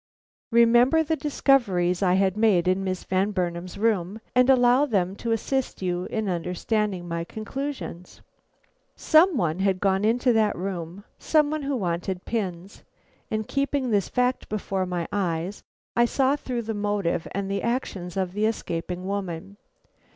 Remember the discoveries I had made in Miss Van Burnam's room, and allow them to assist you in understanding my conclusions. Some one had gone into that room; some one who wanted pins; and keeping this fact before my eyes, I saw through the motive and actions of the escaping woman.